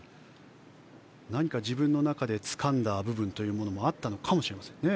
何か自分の中でつかんだ部分があったのかもしれませんね。